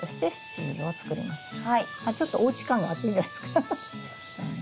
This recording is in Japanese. ちょっとおうち感があっていいんじゃないですか。